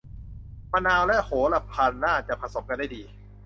มะนาวและโหระพาน่าจะผสมกันได้ดี